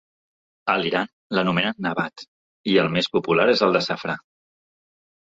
A l'Iran l'anomenen "nabat", i el més popular és el de safrà.